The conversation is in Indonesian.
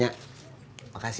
gak ada yang ngerti